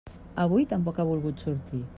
Avui tampoc ha volgut sortir.